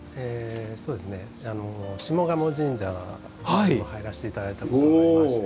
そうですね下鴨神社にも入らせていただいたこともありまして。